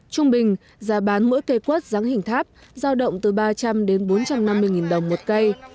trung bình giá bán mỗi cây quất dáng hình tháp giao động từ ba trăm linh đến bốn trăm năm mươi nghìn đồng một cây